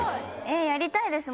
やりたいです